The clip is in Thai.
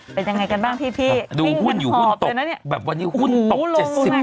เป็นยังไงกันบ้างพี่พี่ดูหุ้นอยู่หุ้นตกแบบวันนี้หุ้นตกเจ็ดสิบ